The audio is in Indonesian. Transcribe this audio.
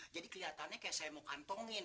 jadi kelihatannya kayak saya mau kantongin